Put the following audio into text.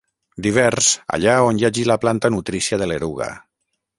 Divers, allà on hi hagi la planta nutrícia de l'eruga.